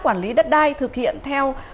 quản lý đất đai thực hiện theo